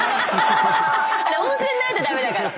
あれ温泉ないと駄目だから！